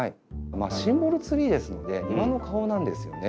シンボルツリーですので庭の顔なんですよね。